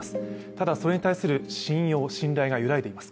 ただそれに対する信用、信頼が揺らいでいます。